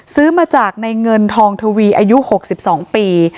ซื้อมาจากในเงินทองทวีอายุ๖๒ปี